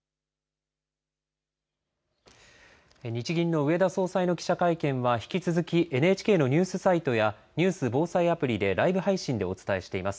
日銀の植田総裁の記者会見は引き続きＮＨＫのニュースサイトやニュース・防災アプリでライブ配信でお伝えしています。